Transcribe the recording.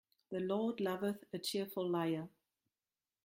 The Lord loveth a cheerful liar.